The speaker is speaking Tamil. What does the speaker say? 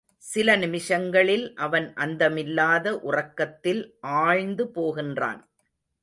சில நிமிஷங்களில் அவன் அந்தமில்லாத உறக்கத்தில் ஆழ்ந்து போகின்றான்.